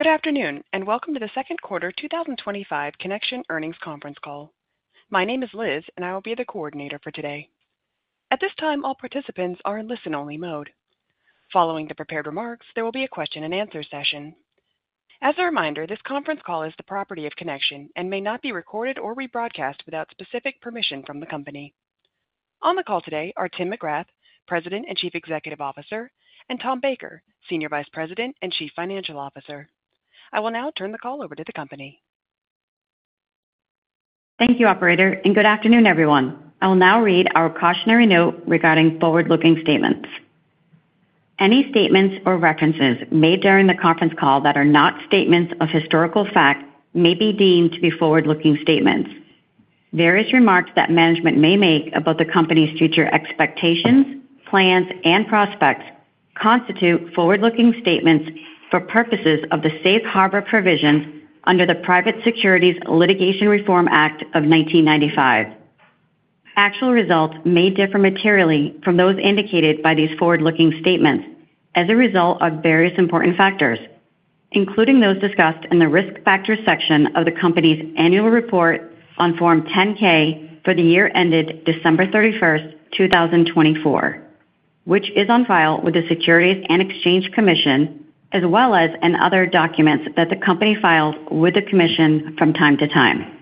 Good afternoon and welcome to the second quarter 2025 Connection Earnings Conference call. My name is Liz, and I will be the coordinator for today. At this time, all participants are in listen-only mode. Following the prepared remarks, there will be a question and answer session. As a reminder, this conference call is the property of Connection and may not be recorded or rebroadcast without specific permission from the company. On the call today are Tim McGrath, President and Chief Executive Officer, and Tom Baker, Senior Vice President and Chief Financial Officer. I will now turn the call over to the company. Thank you, Operator, and good afternoon, everyone. I will now read our cautionary note regarding forward-looking statements. Any statements or references made during the conference call that are not statements of historical fact may be deemed to be forward-looking statements. Various remarks that management may make about the company's future expectations, plans, and prospects constitute forward-looking statements for purposes of the Safe Harbor provisions under the Private Securities Litigation Reform Act of 1995. Actual results may differ materially from those indicated by these forward-looking statements as a result of various important factors, including those discussed in the Risk Factors section of the company's annual report on Form 10-K for the year ended December 31st, 2024, which is on file with the Securities and Exchange Commission, as well as in other documents that the company files with the Commission from time to time.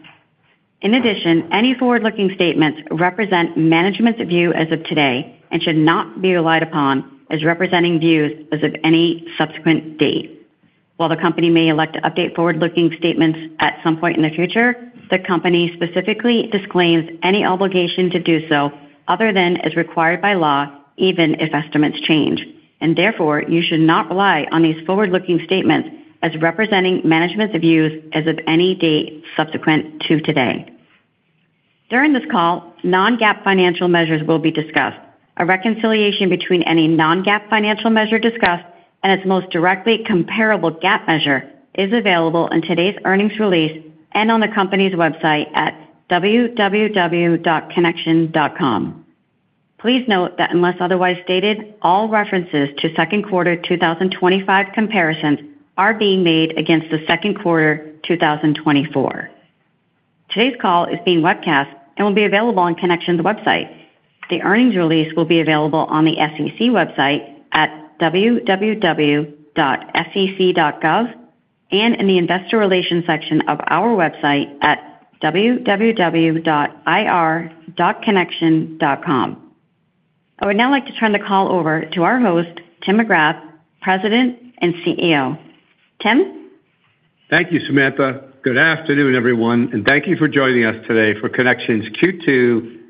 In addition, any forward-looking statements represent management's view as of today and should not be relied upon as representing views as of any subsequent date. While the company may elect to update forward-looking statements at some point in the future, the company specifically disclaims any obligation to do so other than as required by law, even if estimates change. Therefore, you should not rely on these forward-looking statements as representing management's views as of any date subsequent to today. During this call, non-GAAP financial measures will be discussed. A reconciliation between any non-GAAP financial measure discussed and its most directly comparable GAAP measure is available in today's earnings release and on the company's website at www.connection.com. Please note that unless otherwise stated, all references to second quarter 2025 comparisons are being made against the second quarter 2024. Today's call is being webcast and will be available on Connection's website. The earnings release will be available on the SEC website at www.sec.gov and in the Investor Relations section of our website at www.ir.connection.com. I would now like to turn the call over to our host, Tim McGrath, President and CEO. Tim? Thank you, Samantha. Good afternoon, everyone, and thank you for joining us today for Connection's Q2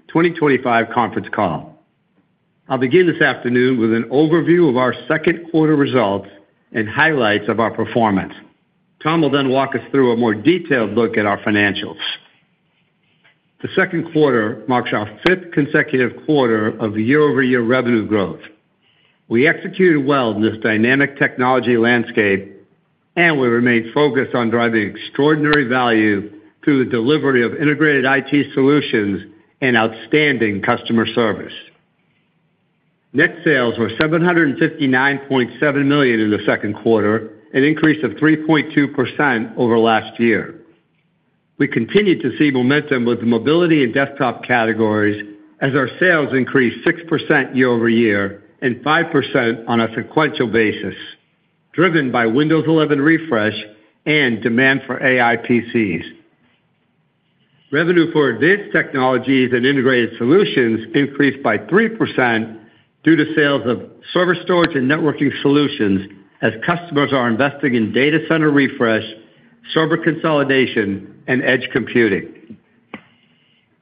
2025 conference call. I'll begin this afternoon with an overview of our second quarter results and highlights of our performance. Tom will then walk us through a more detailed look at our financials. The second quarter marks our fifth consecutive quarter of year-over-year revenue growth. We executed well in this dynamic technology landscape, and we remain focused on driving extraordinary value through the delivery of integrated IT solutions and outstanding customer service. Net sales were $759.7 million in the second quarter, an increase of 3.2% over last year. We continued to see momentum with mobility and desktop categories as our sales increased 6% year-over-year and 5% on a sequential basis, driven by Windows 11 refresh and demand for AI PCs. Revenue for advanced technologies and integrated solutions increased by 3% due to sales of server, storage, and networking solutions as customers are investing in data center refresh, server consolidation, and edge computing.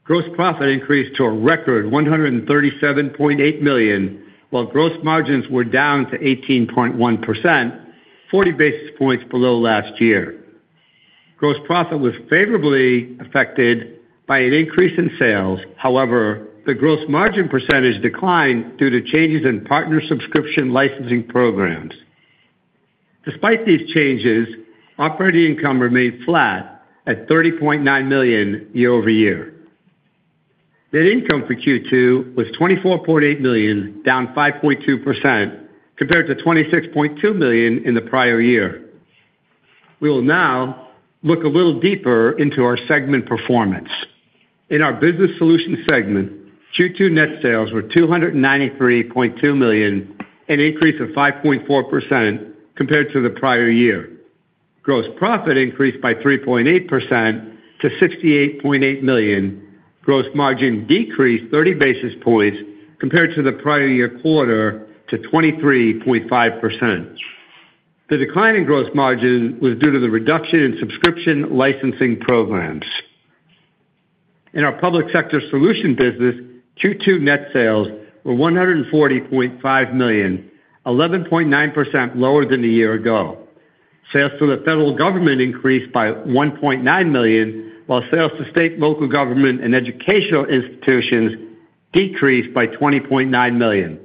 Gross profit increased to a record $137.8 million, while gross margins were down to 18.1%, 40 basis points below last year. Gross profit was favorably affected by an increase in sales, however, the gross margin percentage declined due to changes in partner subscription licensing programs. Despite these changes, operating income remained flat at $30.9 million year-over-year. Net income for Q2 was $24.8 million, down 5.2% compared to $26.2 million in the prior-year. We will now look a little deeper into our segment performance. In our Business Solutions segment, Q2 net sales were $293.2 million, an increase of 5.4% compared to the prior-year. Gross profit increased by 3.8% to $68.8 million. Gross margin decreased 30 basis points compared to the prior-year quarter to 23.5%. The decline in gross margin was due to the reduction in subscription licensing programs. In our Public Sector Solutions business, Q2 net sales were $140.5 million, 11.9% lower than a year ago. Sales to the federal government increased by $1.9 million, while sales to state, local government, and educational institutions decreased by $20.9 million.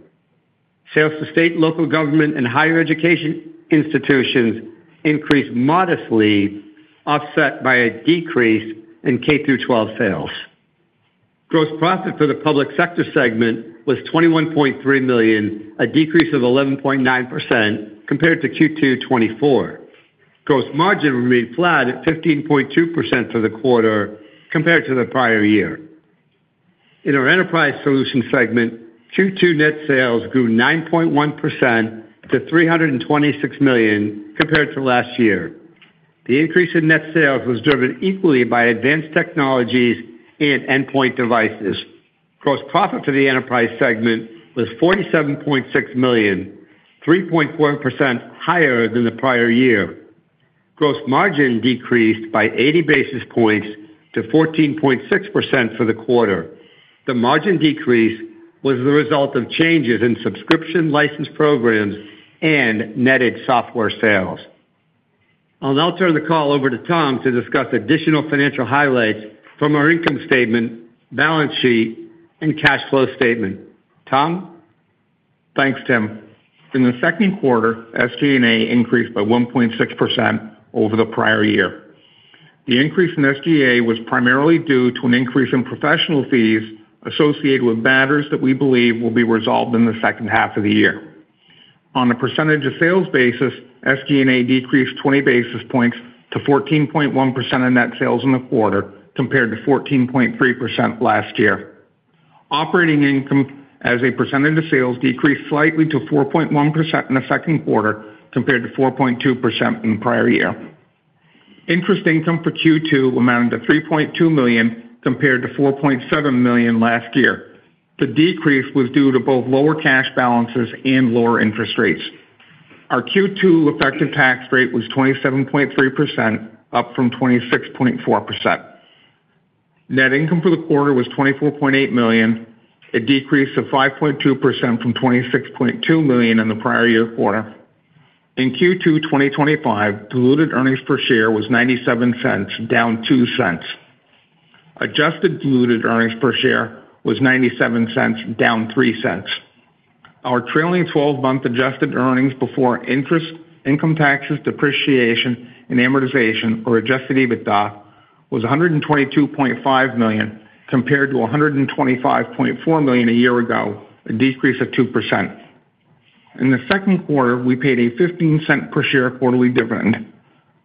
Sales to state, local government, and higher education institutions increased modestly, offset by a decrease in K-12 sales. Gross profit for the Public Sector segment was $21.3 million, a decrease of 11.9% compared to Q2 2024. Gross margin remained flat at 15.2% for the quarter compared to the prior-year. In our Enterprise Solutions segment, Q2 net sales grew 9.1% to $326 million compared to last year. The increase in net sales was driven equally by advanced technologies and endpoint devices. Gross profit for the Enterprise segment was $47.6 million, 3.4% higher than the prior-year. Gross margin decreased by 80 basis points to 14.6% for the quarter. The margin decrease was the result of changes in subscription license programs and netted software sales. I'll now turn the call over to Tom to discuss additional financial highlights from our Income Statement, Balance Sheet, and Cash Flow Statement. Tom? Thanks, Tim. In the second quarter, SG&A increased by 1.6% over the prior-year. The increase in SG&A was primarily due to an increase in professional fees associated with matters that we believe will be resolved in the second half of the year. On a percentage of sales basis, SG&A decreased 20 basis points to 14.1% of net sales in the quarter compared to 14.3% last year. Operating income, as a percentage of sales, decreased slightly to 4.1% in the second quarter compared to 4.2% in the prior-year. Interest income for Q2 amounted to $3.2 million compared to $4.7 million last year. The decrease was due to both lower cash balances and lower interest rates. Our Q2 effective tax rate was 27.3%, up from 26.4%. Net income for the quarter was $24.8 million, a decrease of 5.2% from $26.2 million in the prior-year quarter. In Q2 2025, diluted earnings per share was $0.97, down $0.02. Adjusted diluted earnings per share was $0.97, down $0.03. Our trailing 12-month adjusted earnings before interest, income taxes, depreciation, and amortization, or adjusted EBITDA, was $122.5 million compared to $125.4 million a year ago, a decrease of 2%. In the second quarter, we paid a $0.15 per share quarterly dividend.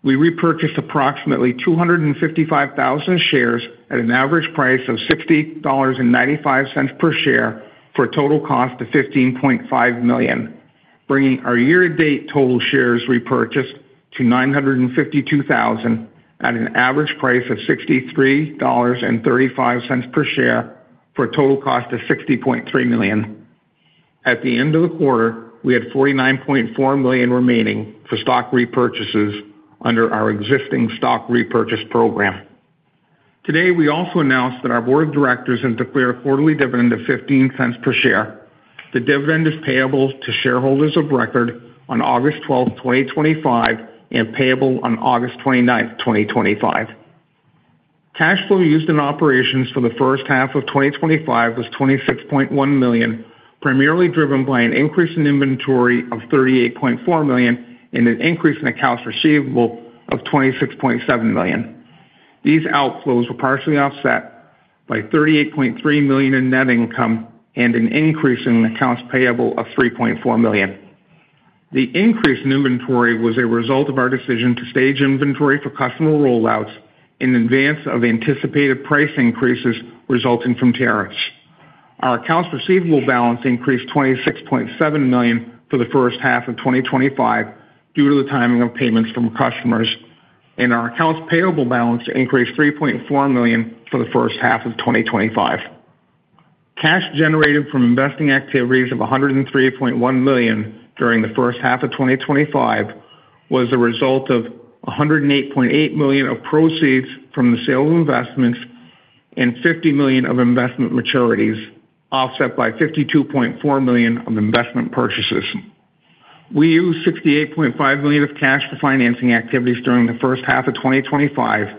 We repurchased approximately 255,000 shares at an average price of $60.95 per share for a total cost of $15.5 million, bringing our year-to-date total shares repurchased to 952,000 at an average price of $63.35 per share for a total cost of $60.3 million. At the end of the quarter, we had $49.4 million remaining for stock repurchases under our existing stock repurchase program. Today, we also announced that our board of directors has declared a quarterly dividend of $0.15 per share. The dividend is payable to shareholders of record on August 12th, 2025, and payable on August 29th, 2025. Cash flow used in operations for the first half of 2025 was $26.1 million, primarily driven by an increase in inventory of $38.4 million and an increase in accounts receivable of $26.7 million. These outflows were partially offset by $38.3 million in net income and an increase in accounts payable of $3.4 million. The increase in inventory was a result of our decision to stage inventory for customer rollouts in advance of anticipated price increases resulting from tariffs. Our accounts receivable balance increased $26.7 million for the first half of 2025 due to the timing of payments from customers, and our accounts payable balance increased $3.4 million for the first half of 2025. Cash generated from investing activities of $103.1 million during the first half of 2025 was a result of $108.8 million of proceeds from the sale of investments and $50 million of investment maturities, offset by $52.4 million of investment purchases. We used $68.5 million of cash for financing activities during the first half of 2025,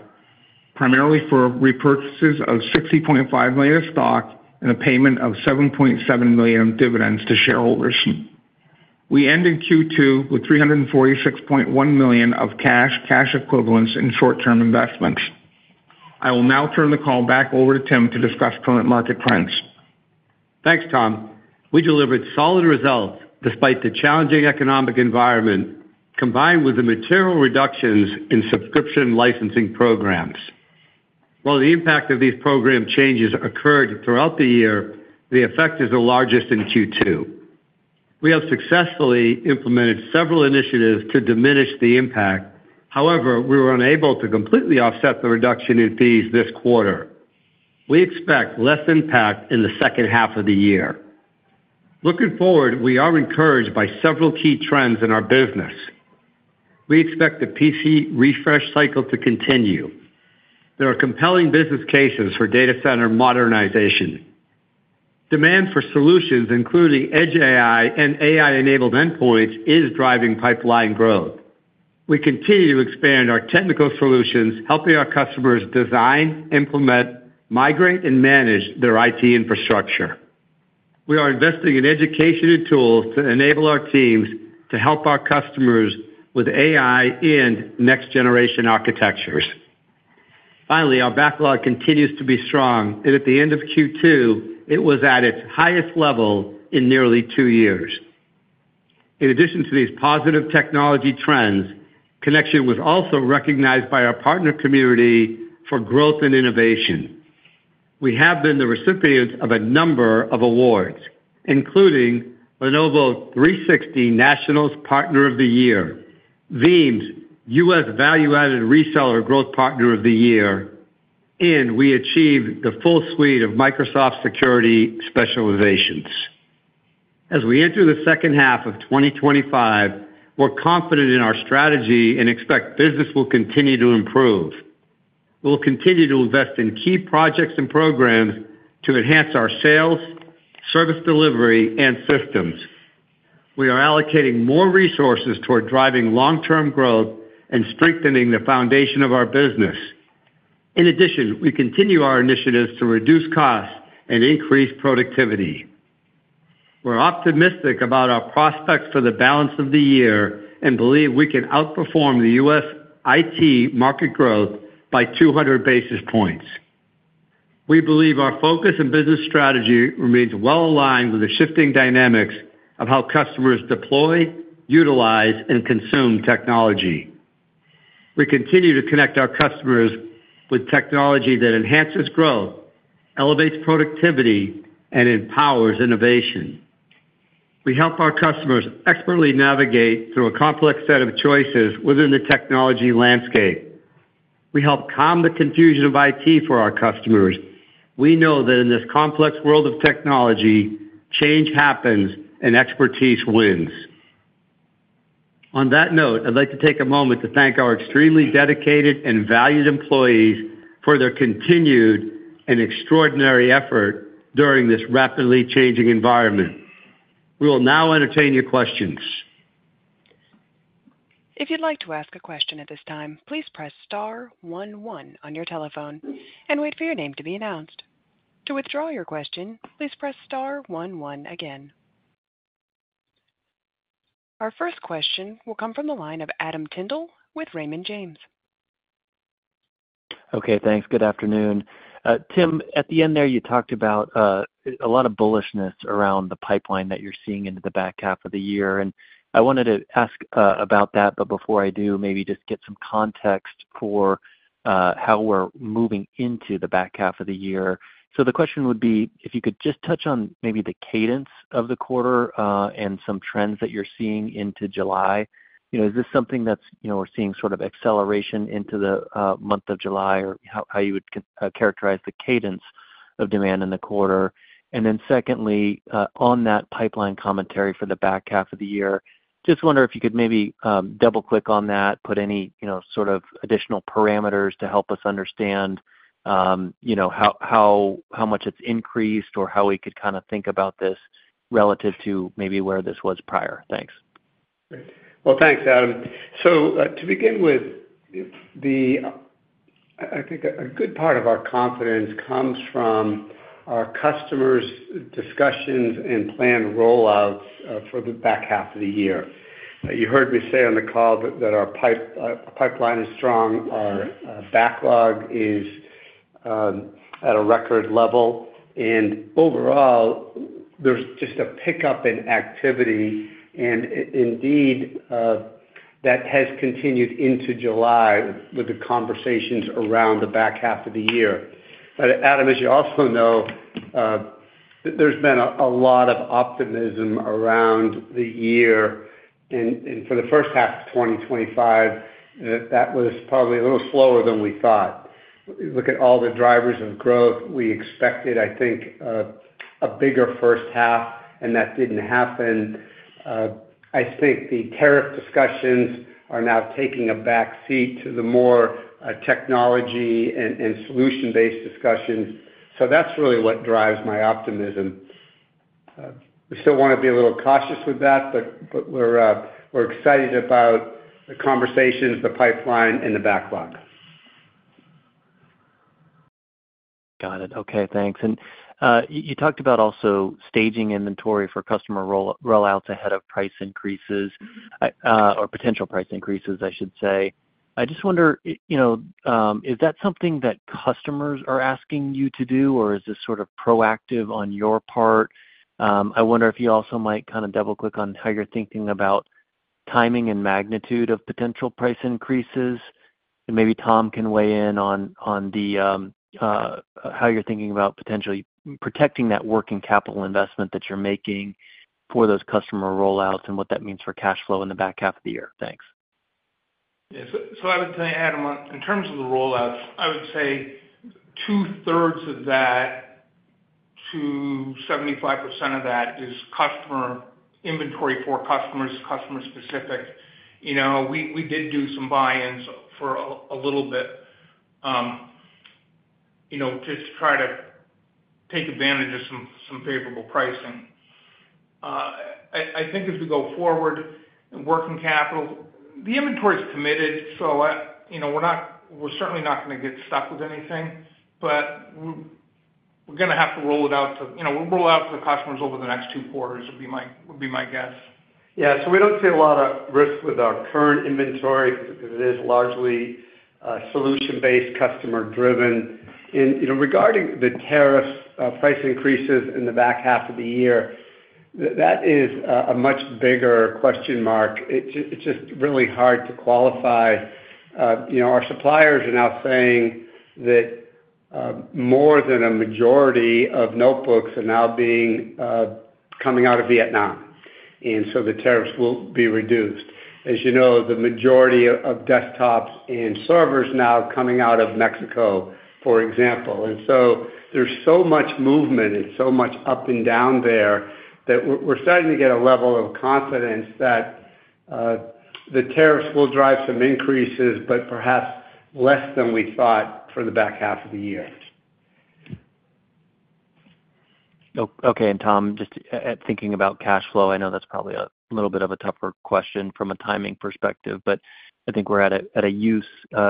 primarily for repurchases of $60.5 million of stock and a payment of $7.7 million in dividends to shareholders. We ended Q2 with $346.1 million of cash, cash equivalents, and short-term investments. I will now turn the call back over to Tim to discuss current market trends. Thanks, Tom. We delivered solid results despite the challenging economic environment, combined with the material reductions in subscription licensing programs. While the impact of these program changes occurred throughout the year, the effect is the largest in Q2. We have successfully implemented several initiatives to diminish the impact. However, we were unable to completely offset the reduction in fees this quarter. We expect less impact in the second half of the year. Looking forward, we are encouraged by several key trends in our business. We expect the PC refresh cycle to continue. There are compelling business cases for data center modernization. Demand for solutions, including edge AI and AI-enabled endpoints, is driving pipeline growth. We continue to expand our technical solutions, helping our customers design, implement, migrate, and manage their IT infrastructure. We are investing in education and tools to enable our teams to help our customers with AI and next-generation architectures. Finally, our backlog continues to be strong, and at the end of Q2, it was at its highest level in nearly two years. In addition to these positive technology trends, Connection was also recognized by our partner community for growth and innovation. We have been the recipient of a number of awards, including Lenovo 360 National Partner of the Year, Veeam’s U.S. Value-Added Reseller Growth Partner of the Year, and we achieved the full suite of Microsoft Security Specializations. As we enter the second half of 2025, we're confident in our strategy and expect business will continue to improve. We'll continue to invest in key projects and programs to enhance our sales, service delivery, and systems. We are allocating more resources toward driving long-term growth and strengthening the foundation of our business. In addition, we continue our initiatives to reduce costs and increase productivity. We're optimistic about our prospects for the balance of the year and believe we can outperform the U.S. IT market growth by 200 basis points. We believe our focus and business strategy remain well aligned with the shifting dynamics of how customers deploy, utilize, and consume technology. We continue to connect our customers with technology that enhances growth, elevates productivity, and empowers innovation. We help our customers expertly navigate through a complex set of choices within the technology landscape. We help calm the confusion of IT for our customers. We know that in this complex world of technology, change happens and expertise wins. On that note, I'd like to take a moment to thank our extremely dedicated and valued employees for their continued and extraordinary effort during this rapidly changing environment. We will now entertain your questions. If you'd like to ask a question at this time, please press *11 on your telephone and wait for your name to be announced. To withdraw your question, please press *11 again. Our first question will come from the line of Adam Tindle with Raymond James. Okay, thanks. Good afternoon. Tim, at the end there, you talked about a lot of bullishness around the pipeline that you're seeing into the back half of the year, and I wanted to ask about that. Before I do, maybe just get some context for how we're moving into the back half of the year. The question would be if you could just touch on maybe the cadence of the quarter and some trends that you're seeing into July. Is this something that's, you know, we're seeing sort of acceleration into the month of July or how you would characterize the cadence of demand in the quarter? Secondly, on that pipeline commentary for the back half of the year, just wonder if you could maybe double-click on that, put any sort of additional parameters to help us understand how much it's increased or how we could kind of think about this relative to maybe where this was prior. Thanks. Great. Thank you, Adam. To begin with, I think a good part of our confidence comes from our customers' discussions and planned rollouts for the back half of the year. You heard me say on the call that our pipeline is strong, our backlog is at a record level, and overall, there's just a pickup in activity. Indeed, that has continued into July with the conversations around the back half of the year. Adam, as you also know, there's been a lot of optimism around the year, and for the first half of 2025, that was probably a little slower than we thought. Look at all the drivers of growth. We expected, I think, a bigger first half, and that didn't happen. I think the tariff discussions are now taking a back seat to the more technology and solution-based discussions. That's really what drives my optimism. We still want to be a little cautious with that, but we're excited about the conversations, the pipeline, and the backlog. Got it. Okay, thanks. You talked about also staging inventory for customer rollouts ahead of price increases, or potential price increases, I should say. I just wonder, is that something that customers are asking you to do, or is this sort of proactive on your part? I wonder if you also might kind of double-click on how you're thinking about timing and magnitude of potential price increases, and maybe Tom can weigh in on how you're thinking about potentially protecting that working capital investment that you're making for those customer rollouts and what that means for cash flow in the back half of the year. Thanks. Yeah, I would say, Adam, in terms of the rollouts, I would say 2/3 of that to 75% of that is customer inventory for customers, customer-specific. We did do some buy-ins for a little bit, just to try to take advantage of some favorable pricing. I think as we go forward, working capital, the inventory is committed, so we're not, we're certainly not going to get stuck with anything, but we're going to have to roll it out to the customers over the next two quarters would be my guess. Yeah, we don't see a lot of risk with our current inventory because it is largely solution-based, customer-driven. Regarding the tariff-driven price increases in the back half of the year, that is a much bigger question mark. It's just really hard to qualify. Our suppliers are now saying that more than a majority of notebooks are now coming out of Vietnam, and so the tariffs will be reduced. As you know, the majority of desktops and servers are now coming out of Mexico, for example. There's so much movement and so much up and down there that we're starting to get a level of confidence that the tariffs will drive some increases, but perhaps less than we thought for the back half of the year. Okay, and Tom, just thinking about cash flow, I know that's probably a little bit of a tougher question from a timing perspective, but I think we're at a use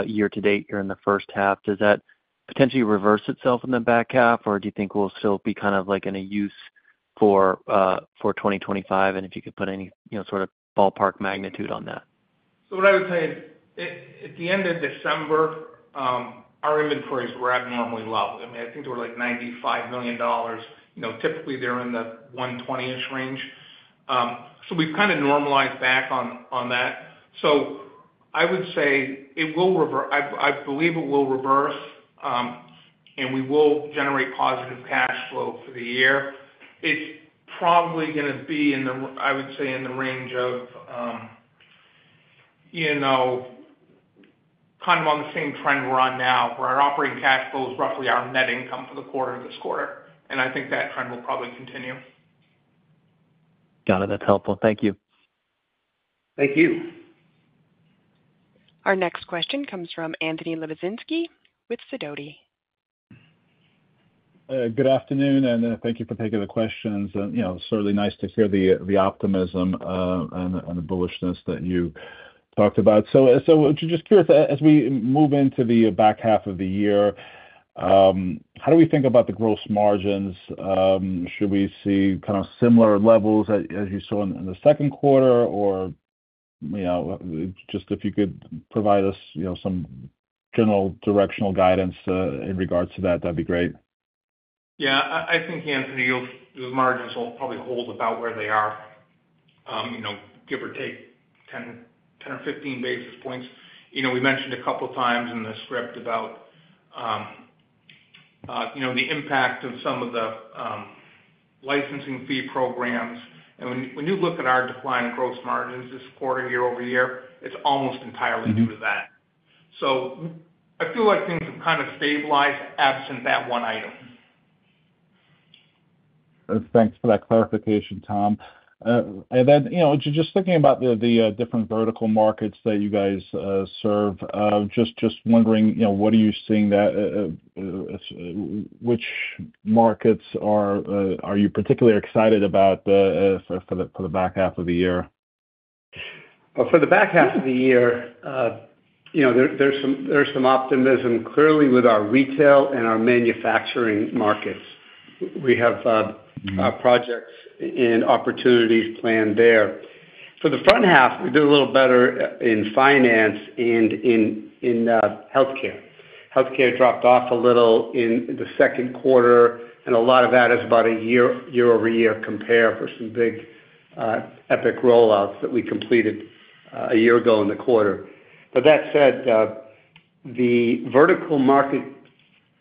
year to date here in the first half. Does that potentially reverse itself in the back half, or do you think we'll still be kind of like in a use for 2025? If you could put any, you know, sort of ballpark magnitude on that. At the end of December, our inventories were abnormally low. I think they were like $95 million. Typically, they're in the $120 million-ish range. We've kind of normalized back on that. I would say it will reverse. I believe it will reverse, and we will generate positive cash flow for the year. It's probably going to be in the, I would say, in the range of, you know, kind of on the same trend we're on now, where our operating cash flow is roughly our net income for this quarter. I think that trend will probably continue. Got it. That's helpful. Thank you. Thank you. Our next question comes from Anthony Livozinski with Stifel. Good afternoon, and thank you for taking the questions. It's certainly nice to hear the optimism and the bullishness that you talked about. I'm just curious, as we move into the back half of the year, how do we think about the gross margins? Should we see kind of similar levels as you saw in the second quarter, or if you could provide us some general directional guidance in regards to that, that'd be great. Yeah, I think, Anthony, your margins will probably hold about where they are, give or take 10 or 15 basis points. We mentioned a couple of times in the script about the impact of some of the licensing fee programs. When you look at our decline in gross margins this quarter, year-over-year, it's almost entirely due to that. I feel like things have kind of stabilized absent that one item. Thanks for that clarification, Tom. Just thinking about the different vertical markets that you guys serve, just wondering what are you seeing that which markets are you particularly excited about for the back half of the year? For the back half of the year, you know, there's some optimism clearly with our retail and our manufacturing markets. We have projects and opportunities planned there. For the front half, we did a little better in finance and in healthcare. Healthcare dropped off a little in the second quarter, and a lot of that is about a year-over-year compared for some big epic rollouts that we completed a year ago in the quarter. That said, the vertical market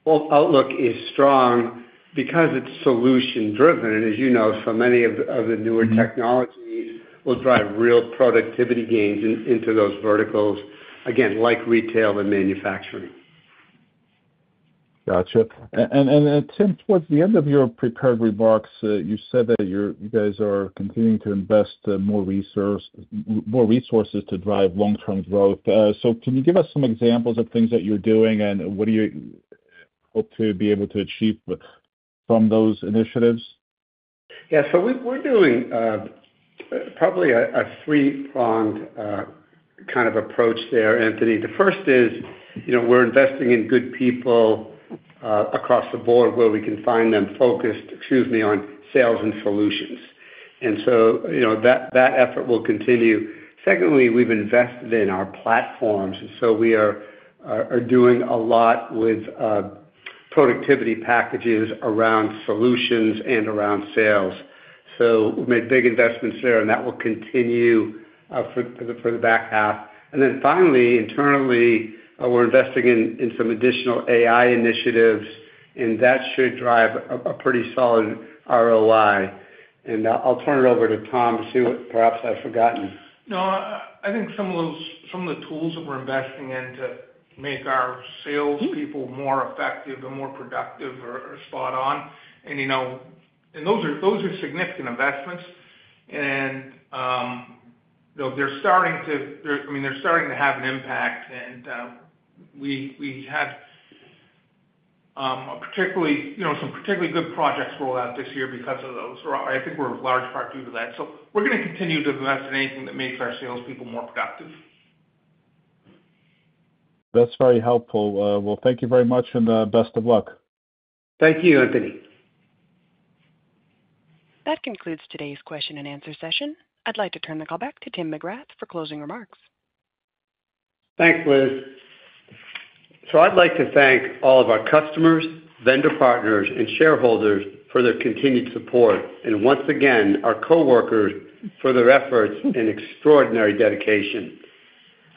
outlook is strong because it's solution-driven. As you know, so many of the newer technologies will drive real productivity gains into those verticals, again, like retail and manufacturing. Gotcha. Tim, towards the end of your prepared remarks, you said that you guys are continuing to invest more resources to drive long-term growth. Can you give us some examples of things that you're doing and what do you hope to be able to achieve from those initiatives? Yeah, so we're doing probably a three-pronged kind of approach there, Anthony. The first is, you know, we're investing in good people across the board where we can find them, focused, excuse me, on sales and solutions. That effort will continue. Secondly, we've invested in our platforms, and we are doing a lot with productivity packages around solutions and around sales. We made big investments there, and that will continue for the back half. Finally, internally, we're investing in some additional AI initiatives, and that should drive a pretty solid ROI. I'll turn it over to Tom to see what perhaps I've forgotten. I think some of the tools that we're investing in to make our sales people more effective and more productive are spot on. Those are significant investments, and they're starting to have an impact. We have some particularly good projects rolled out this year because of those. I think we're in large part due to that. We're going to continue to invest in anything that makes our salespeople more productive. That's very helpful. Thank you very much, and best of luck. Thank you, Anthony. That concludes today's question and answer session. I'd like to turn the call back to Tim McGrath for closing remarks. Thanks, Liz. I'd like to thank all of our customers, vendor partners, and shareholders for their continued support, and once again, our coworkers for their efforts and extraordinary dedication.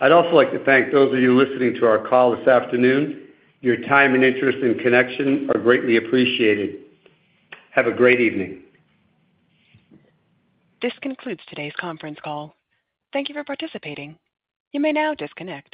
I'd also like to thank those of you listening to our call this afternoon. Your time and interest in Connection are greatly appreciated. Have a great evening. This concludes today's conference call. Thank you for participating. You may now disconnect.